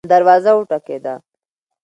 دروازه وټکیده